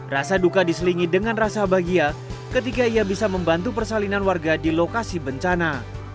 rasa duka diselingi dengan rasa bahagia ketika ia bisa membantu persalinan warga di lokasi bencana